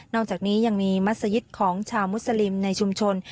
อกจากนี้ยังมีมัศยิตของชาวมุสลิมในชุมชน